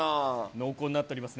濃厚になっておりますね。